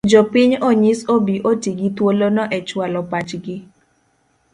Jopiny onyis obi oti gi thuolono e chualo pachgi.